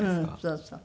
そうそう。